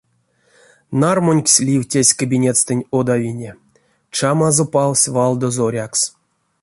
Нармунькс ливтясь кабинетстэнть од авине, чамазо палсь валдо зорякс.